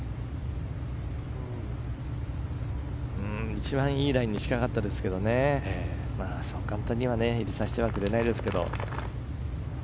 一番いいラインに近かったですがそう簡単には入れさせてはくれないですけど。